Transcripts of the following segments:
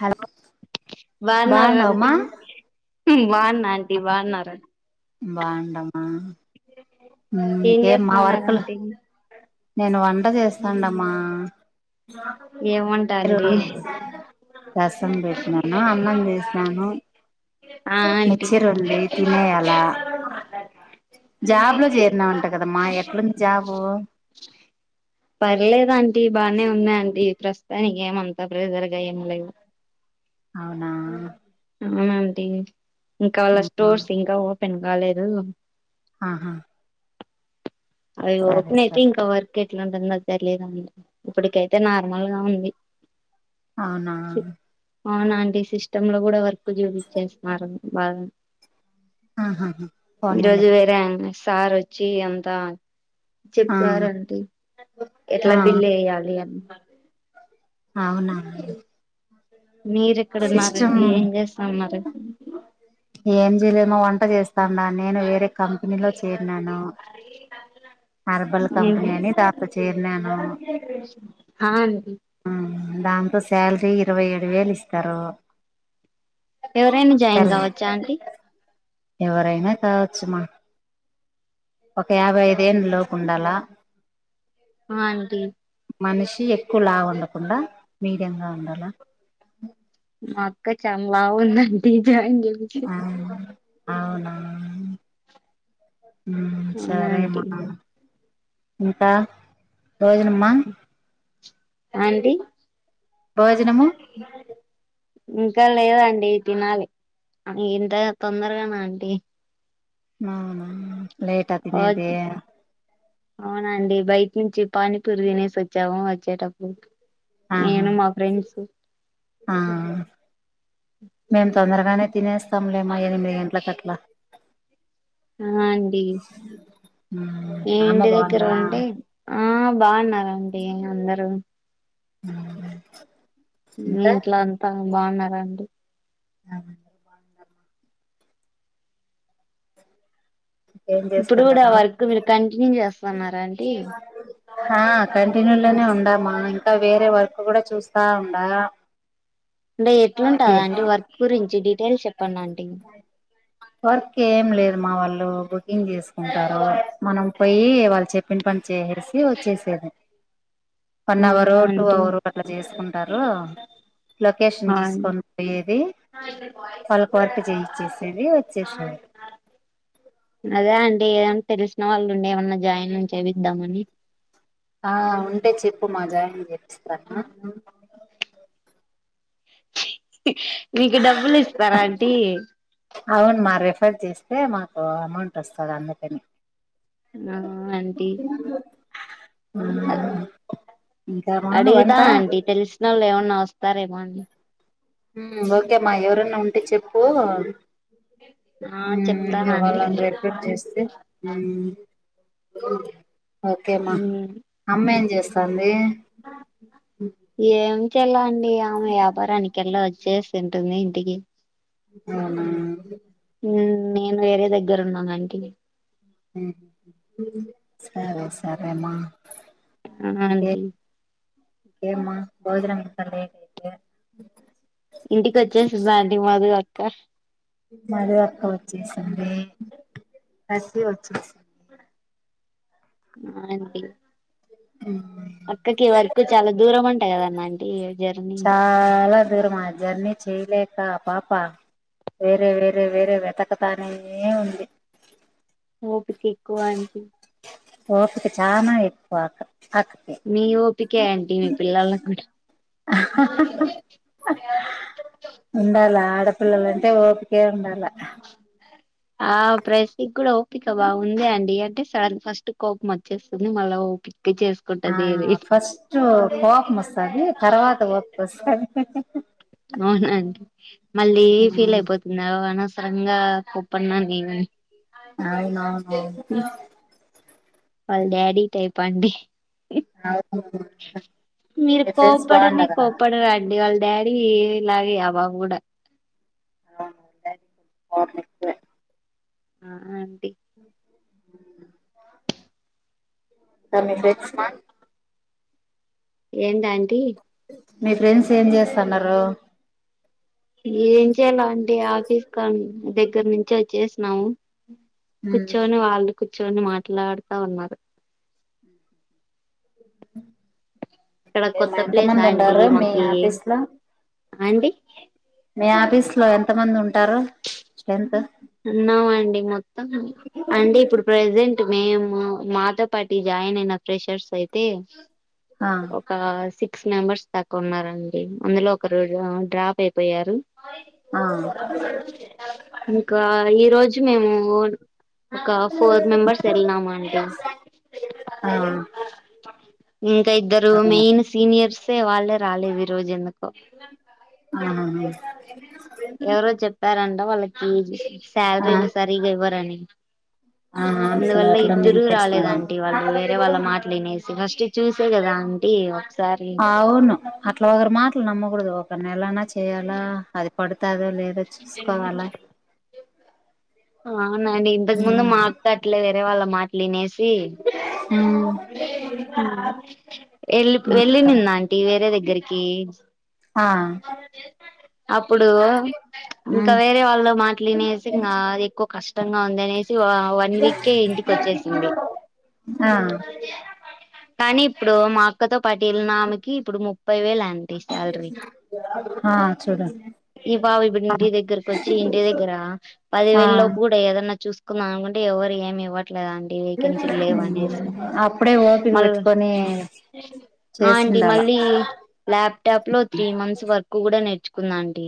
Hello బాగున్నారంటి బాగుండవమ్మా ఉ బాగున్నా అంటీ బాగున్నారు బాగుండమ్మ ఏం ఏమ్ మా చేస్తున్నారు వర్కలు ఆంటీ నేను వంట చేస్తుండమ్మా ఏమంవంటా రసం పెట్టినాను అన్నం చేసినాను ఆంటీ మిక్చర్ ఉంది ఆ తినేయాలా జాబ్ లో చేరినావంట కదమ్మా ఆంటీ ఎట్లుంది జాబు పర్లేదాంటీ బానే ఉన్నాయియండి ప్రస్తు తననికి ఏమంతా ప్రెషర్ గా ఏం లేవు అవునా అవునా అంటీ ఇంకా వాళ్ళ స్టోర్స్ ఇంకా ఓపెన్ పెన్ కాలేదు ఆహా సరే అవిప్పుయితే సరే ఇంకా వర్కె ఇట్లాంట తెలీదు ఇప్పుటికైతే నార్మల్ గా ఉంది అవునా అవునాంటీ సిస్టమ్ లో కూడా వర్క్ ఎక్కువ చూపిచేస్తున్నారు బాగ్ ఆహా ఈ పోనీలే రోజు వేరే ఆమె సార్ వోచ్చి అంతా ఆ చెప్పారంటీ ఆ ఎట్లా బిల్ ఎయాలి అని అవునా మీరు సిస్టమ్ ఇక్కడన్నారాండి ఏం చేస్తాన్నారు ఏం చేయలేమో వంట చేస్తాండా నేను వేరే కంపెనీలో చేరినాను హర్బల్ కంపెనీ అని దాలో చేరినాను ఆ అండి దాంతో శాలరీ ఇరవై ఏడు వేలు ఇస్తారు ఎవరైనా జాయిన్ సరే కావ్ చాంటి ఎవరైనా కావచ్చుమ ఒక యాభై ఐదేళ్ళ లోపు ఉండాలా ఆంటీ మనిషి ఎక్కువ లావు ఉండకుండా మీడియగా ఉండాల మా అక్క చాన్ బాగుందండి [unintelligible] ఆ అవునా మ్ అవునా సరే అంటీ మ ఇంకా భోజనమా అంటి భోజనము ఇంకా లేదండి తినాలి ఇంత తొందరగానా అంటి అవునా లేట్‌హా తిన్నెధి ఓకే అవునండి బయట నుంచి పానీ పూరి తినేసి వచ్చాము వచ్చేటప్పుడు ఆహా నేను మా ఫ్రెండ్స్ ఆహ మేము తొందరగానే తినేస్తాం లేమ్ ఎనిమిది గంటలకట్ల ఆహా అండి ఈ అమ్మ ఇంటి దగ్గర బాగుందా ఉంటే ఆహా బాగున్నారండి అందరూ మీ ఇంకా ఇంట్లో అంతా బాగున్నారా అండి ఏం ఇప్పుడు చేస్తాం కూడా కదా వర్క్ మీరు కంటిన్యూ చేస్తున్నారా అండి అంటే ఎట్లా ఉంటదండి వర్క్ గురించి డీటెయిల్స్ చెప్పండి అంటి వర్క్ ఏం లేదు మా వాళ్ళు గు ఏం చేసుకుంటారో మనం పోయి వాళ్ళు చెప్పిన పని చేసి వచ్చేసేదే వన్ ఆ అవరు టూ ఆంటీ అవరు అట్లా చేసుకుంటారు ఆ లొకేషన్ అండి. చూసుకొని పోయేది వాళ్ళకి వర్క్ చేయిచ్చేసేది వచ్చేసేది అదే అండి తెలిసిన వాళ్ళుండి ఏమన్నా జాయిన్ చేపిద్దామని ఆ ఉంటే చెప్పు మా జాయన్ ఏమిత్సరమ్మ మీకు డబ్బులు ఇస్తారా అంటీ రిఫ్రెష్ చేస్తే మాకు అమౌంట్ వస్తుంది అందుకని అంటీ ఇంకామా వంట అడుగుతాను అంటీ తెలిసిన వాళ్ళు ఏమన్నా సరే మండి ఉమ్ ఓకేమ్మా ఎవరన్నా ఉంటే చెప్ ఆ చెప్తాను ఆంటీ ఇవాళని ట్రీట్మెంట్ చేస్తే ఓకేమా ఉమ్, అమ్మం అమ్మ ఏం చేస్తుంది ఏం చెల్లండి ఆమె వ్యాపారానికి వెళ్ళ చేస్తుంటుంది ఇంటికి అవునా నేను వేరే దగ్గర ఉన్నాను అంటి సరే సరే మా ఆ ఇంకేం ఆంటీ ఇంకేం మా భోజనంక అండి ఇంటికి వచ్చేసిం అండి మధు అక్క మధు అక్క బస్తీ వచ్చిస్ ఆంటీ అక్కకి వర్క్ కు చాలా దూరం అంట కదన్నా ఆం చాలా దూరం మా జర్నీ చేయలేక పాప వేరే వేరే వేరే వెతకతనే ఉంది ఓపిక ఎక్కువ ఆంటీ ఓపిక చానా ఎక్కువ ఆ మీ ఓపికే ఆంటీ మీ పిల్లల కూడా ఉండాలా ఆడపిల్లలంటే ఓపికే ఉండాలా ఆ ప్రస్ కూడా ఓపిక బాగుంది అండి అంటే సార్ ఫస్ట్ కోపం వచ్చేస్తుంది మళ్ళా ఓపిక ఆ చేసుకుంటది ఏది ఫస్ట్ కోపం వస్తాది తర్వాత ఓపిక వస్తది అవునండి మళ్ళీ ఫీల్ అయిపోతునవ్ అనవసరంగా కుప్ప అన్నా నవ [unintelligible] అవునుఅవును అవును వాళ్ళ డాడీ టైప్ అండి. అవును మీరు మీ ఫ్రెండ్స్ కోపడనే బాగుండరా కోపడ రండి వాళ డాడీ ఈ ఇలాగే ఆ బాబు కూడా కోపం ఎక్కువే ఆన్ మరి మీ ఫ్రెండ్స్ ఏందా ఆం మీ ఫ్రెండ్స్ ఏం చేస్తన్నారు ఏం చేయాలో ఆంటీ ఆఫీస్గ ఇక్కడ నుంచి వచ్చేసినాము ఉమ్ కూర్చొని వాళ్ళు కూర్చోని మాట్లాడుతా ఉన్నారు. ఇక్కడ ఏమ్మ కొత్త ప్లేస్ ఎంతమంది ఆంటీ ఉన్నారూ. మీ మాకి ఆఫీస్ లో ఆంటీ మీ ఆఫీస్ లో ఎంతమంది ఉంటారు. స్ట్రెంత్ మో అండి ఇప్పుడు ప్రజెంట్ మేము, మాతో పాటి జాయిన్ అయిన ఫ్రెషర్స్ అయితే ఆ ఒక ఆసిక్ సిక్స్ మెంబర్స్ తక్కవ ఉన్నారండి. అందులో ఒకరు డ్రాప్ అయిపోయారు. ఆ మీకా అండి ఈరోజు మేము ఒక ఫోర్ మెంబర్స్ వెళ్ళినాము అండి ఆ ఇంకా ఇద్దరు ఆ మెయిన్ సీనియర్స్ వాళ్ళే రాలేదు ఈ రోజు ఎందుకో ఎవరో చెప్పారం [unintelligible] వాళ్ళకి ఆ శాలరీలు సరిగా ఇవ్వరని, ఆ అసలు అందువల్ల అట్లా ఇద్దరు రాలేదు నిలిపేస్తున్నారు అంటీ, వాళ్ళు వేరే వాళ్ళ మాటలు వినేసి ఫస్ట్ చూసే కదా అంటీ ఒకసారి ఒక నెలనా చేయాలా అది పడుతాదో లేదో చూసుకోవాల ఆ అవునండి ఇంతకుముందు మా అక్కట్లే అదే వాళ్ళ మాటలునిసి ఉమ్ వెళ ఉమ్, వెళ్లినింది అంటీ వేరే దగ్గరికి ఆ అప్పుడు ఇంకా ఉమ్ వేరే వాళ్ళు మాట్లు వినేసి ఇంకా ఎక్కువ కష్టంగా ఉందినేసి వన్ వీక్ కే ఇంటికి వచ్చేసింది ఆ కానీ ఇప్పుడు మా అక్కతో పటిలిన ఆమెకి ఇప్పుడు ముప్పై వేలు ఆ ఆంటీ శాలరీ ఆ చూడు ఈ పాపా ఇప్పుడు ఇంటి దగ్గరక వచ్చి ఇంటి దగ్గర ఆ పదివేలు లో ఏదన్నా చూసుకుందా అనుకుంటె ఎవరు ఏమి ఇవ్వ [unintelligible] అంటీ వాకేంసీ లేవ్ అనేసి అప్పుడే ఓపిక మాల్ పెట్టుకొని ఆంటీ చేసిండాల మళ్ళీ లాప్టాప్ లో తీ మంత్స్ వర్క్ కూడా నేర్చు కుంద అంటీ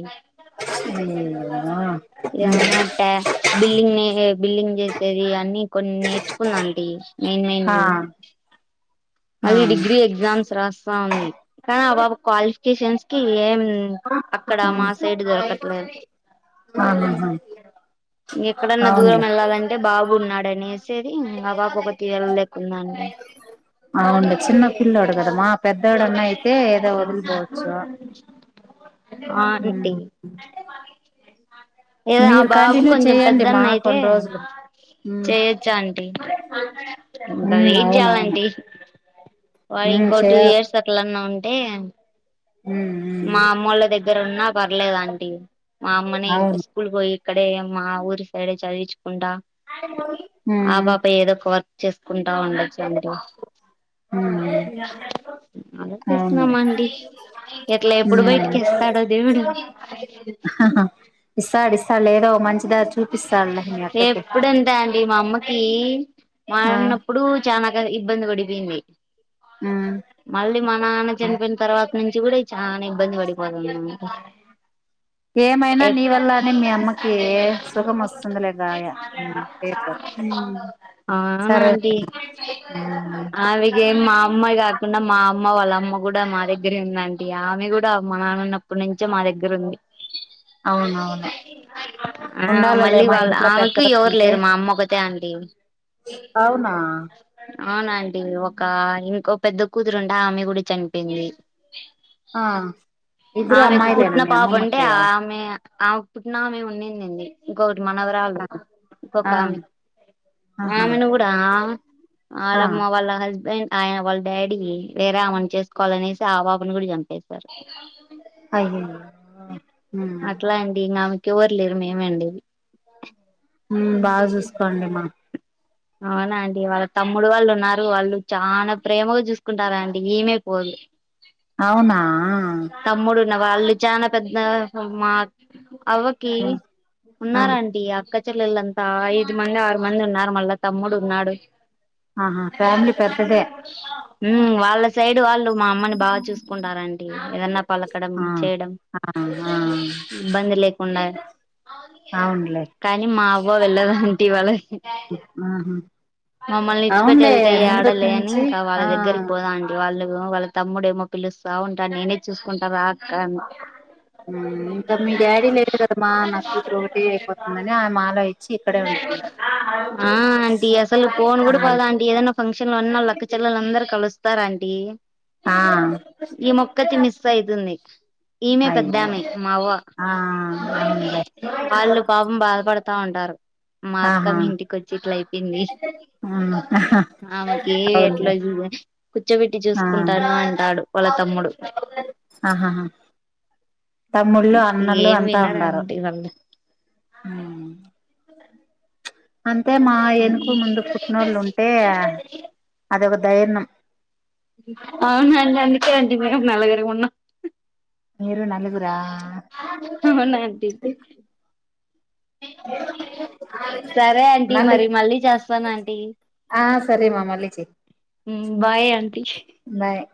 ఆ టా [unintelligible] బిల్డింగ్ నే బిల్డింగ్ చేస్త సరే అన్ని కొన్ని నేర్చుకున్న అంటీ మెయిన్ మెయిన్ ఆ వి మళ్ళీ డిగ్రీ ఎగ్జామ్స్ రాస్తా ఉంది క అ క్వాలిఫికేషన్స్ ఏం అక్కడ మా సైడ్ దొరకట్లేదు ఆహాహా ఎక్కడన్నా దూరం అవునులే వెళ్ళాలంటే బాబు ఉన్నాడని అనేసేది ఇంకా [unintelligible] ఒకటే వెళ్ళలేకుంన అవును చిన్న పిల్ల్లోడు కదా మా పెద్దదోడున్నా అయితే ఏదో వదిలిపోవచ్చు ఆ ఉమ్ ఆంటీ ఏద ఆ మీరు బాబు కంటిన్యూ కొంచెం చెయ్యండి మా పెద్దన్న అయితే కొన్ని రోజులు ఉమ్ చేయొచ్చాంటీ ఇంకా ఉమ్ వెయిట్ అవునవును చేయాలంటీ వాడి ఉమ్ ఇంకో టూ చేయాలి ఇయర్స్ అట్లా న్నా ఉంటే ఉమ్ మా ఉమ్ అమ్మళ్ళ దగ్గర ఉన్న పర్లేదాంటీ మా అమ్మనే ఇంకా అవును స్కూల్ పోయి ఇక్కడే మా ఊరు సైడ్ చదివించకుంట ఆ ఉమ్ పాప ఏదో ఒక వర్క్ చెస్ కుంటా ఉండచ్చ ఆంటీ ఉమ్ అలా చేస్తున్నామా ఆంటీ హ్మ్ హహహ ఇస్తాడు ఇస్తా అక్కకి ఎప్పుడంతే ఆంటీ మా అమ్మకి మా నాన్న ఆ ఉన్నపుడు చాన ఇబ్బంది గుడి పోయింది ఉమ్ మళ్ళీ మా నాన్న చనిపోయిన తర్వాత నుం చివడే చాలా ఇబ్బంది [inaudible] ఏమైనా నీ వల్ల అనే మీ అమ్మ సుఖం వస్తుందిలేగాయ సరే అవునండి ఆవిగే మా అమ్మాయి కాకుండా మా అమ్మ వాళ్ళమ్మ కూడా మా దగ్గరే ఉంది ఆంటీ ఆమె కూడా మా నాన్న ఉన్నప్పటి నుంచే మా దగ్గర ఉంది అవును అవును ఆ మళ్ళీ వాళ్ళ ఆమెకు పెద్దలు ఎవరు ఉంటే లేరు మా అమ్మకు త అండి అవునా అవును ఆంటీ ఒక ఇంకో పెద్ద కూతురుంటే ఆ ఆమె కూడా చనిపోంది ఆ ఇద్దరు అమ్మాయిలే న మీ అమ్మామ్మా కి ఆ అప్పుడు నా మేము ఉంనింది ఇంకొకటి మనవరాళ్ళు ఇంకొక ఆ ఆమె ఆహా ఆమెను కూడా ఆ అలామవల్ హస్బెండ్ ఆయన వాళ్ళ డాడీ వేరే ఆమెను చేసుకోవాలనేసి ఆ పాపని కూడా చంపేస్తారు అయ్యో అట్లా అండి నామె క్యవర్ లేరు మేమే అండి ఉమ్ బా చూసుకోండి మా అవునా అండి వాళ్ళ తమ్ముడు వాళ్ళు ఉన్నారు వాళ్ళు చానా ప్రేమగా చూసుకుంటా రండి ఈమె పోదు అవునా తమ్ముడున్న వాళ్ళు చానా పెద్ ద [unintelligible] అవ్వకి ఇయ్యి ఆ ఉన్నారూ ఆంటీ అక్క చ్చల్లెలంతా ఐదు మంది ఆరు మంది ఉన్నారు మళ్ళా తమ్ముడు ఉన్నాడు ఆహా ఫ్యామిలీ పెద్దదే ఉ మ్ వాళ్ళ సై డ్ వాళ్ళు మా అమ్మని బా చూసుకుంటారూ అం ఏదన్నా పలకడం ఆ చేయడం ఆ ఆ ఇబ్బంది లేకుండా అవునులే కానీ మా అవ్వ వెళ్ళదంటీ వాళ్ళకి ఆహా మమ్మల్ని ఇచిపెట్టి అవునులే వెళ్తే ముందటి ఆడలే అని నుంచి ఇంకా వాళ్ళ ఆ దగ్గరికి పోదాం అం వాళ్ళ వాళ్ళ తమ్ముడేమో పిలుస్తా ఉ టా నేనే చూసుకుంటారా కానీ ఇంకా మీ డాడీ లేడు కదమ్మా నా కూతురు ఒకటే అయిపోతుందని ఆమె మాలో ఇచ్చి ఇక్కడే ఉంటుంది ఆ ఆంటీ అసలు పోను కూడా పోలా అంట ఏదనా ఫంక్షన్ లో ఉన్న లక్క చెల్లల అందరుూ కలుస్తారు అం టీ ఆ ఈ మ తి మిస్ అయితుంది ఈమె అయ్యో పెద్దామ మావ్వ ఆ అవునులే వాళ్ళు పాపం బాధపడతా ఉంటారు మా అక్క ఆహా మీ ఇంటికిొచ్చి ఇట్లా అయిపోయింది మ్మ్ ఆమెకి ఎట్లా అవునులే కూర్చోబెట్టి చూసుకుంటాను అంటాడు వాళ్ళ తమ్ముడు ఆహాా హా తమ్ముళ్ళు అన్నళ్ళు ఏం అంతా వినరు ఉండరూ ఆంటీ వాళ్ళు అంతే మా వెనుక ముందు పుట్టినోళ్ళు ఉంటే అద ఒక దైర్నం అవునా అండి అందుకే ఆంటీ మేం నల్గరమున్నం మీరూ నలుగురా అవునా ఆంటీ సరే అంటీ మరి మళ్ళీ చేస్తానంటీ ఆ సరే మా మళ్ళీ చెయ్ ఉమ్ బాయ్ అంటీ బాయ్